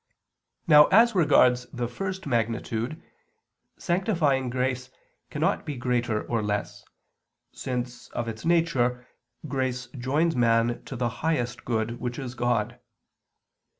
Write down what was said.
Now as regards the first magnitude, sanctifying grace cannot be greater or less, since, of its nature, grace joins man to the Highest Good, which is God.